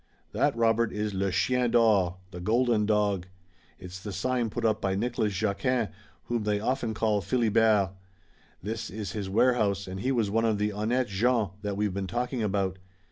"That, Robert, is Le Chien d'Or, The Golden Dog. It's the sign put up by Nicholas Jaquin, whom they often called Philibert. This is his warehouse and he was one of the honnêtes gens that we've been talking about.